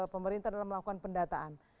pemerintah dalam melakukan pendataan